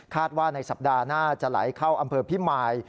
ว่าในสัปดาห์หน้าจะไหลเข้าอำเภอพิมาย